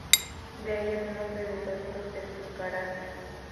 De ahí el nombre de Toritos de Pucará.